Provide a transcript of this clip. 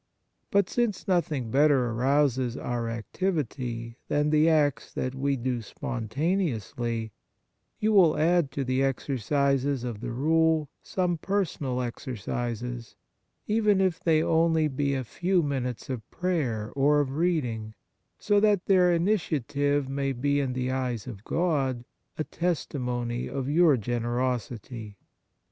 But since nothing better 69 On Piety arouses our activity than the acts that we do spontaneously, you will add to the exercises of the rule some personal exercises, even if they only be a few minutes of prayer or of reading, so that their initiative may be in the eyes of God a testimony of your generosity.